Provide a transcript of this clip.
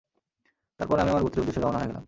তারপর আমি আমার গোত্রের উদ্দেশ্যে রওনা হয়ে গেলাম।